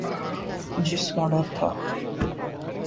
جس کا ڈر تھا۔